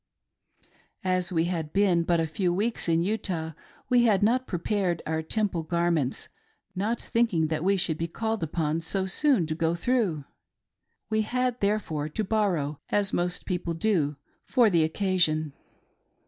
As we had been but a few weeks in Utah we had not pre pared our " Temple garments," not thinking that we should be called upon so soon to go through. We had therefore to bor row, as most people do, for the occasion.